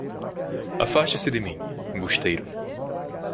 Afaste-se de mim, embusteiro